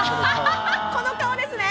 この顔ですね